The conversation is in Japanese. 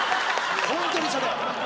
ホントにそれ！